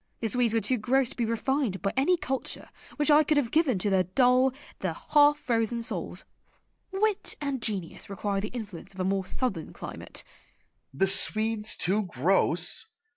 Christina. The Swedes were too gross to be refined by any culture which I could have given to their dull, their half frozen souls. Wit and genius require the influence of a more southern climate. Oxenstiern. The Swedes too gross!